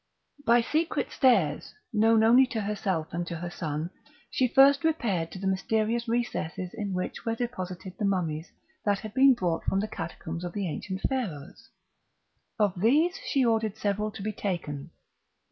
By secret stairs, known only to herself and to her son, she first repaired to the mysterious recesses in which were deposited the mummies that had been brought from the catacombs of the ancient Pharaohs; of these she ordered several to be taken.